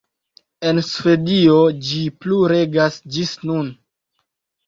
En Svedio ĝi plu regas ĝis nun.